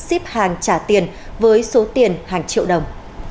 ship hàng trả tiền với số tiền hàng triệu đồng